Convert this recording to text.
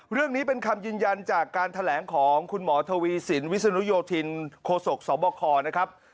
เรื่องนี้เป็นคำยืนยันจากการแถลงของคุณหมอทวีสินวิศนุโยธินโคศกสบคนะครับ